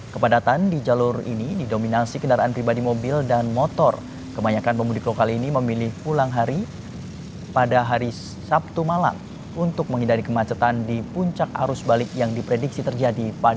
kepadatan kendaraan di jepang menuju jakarta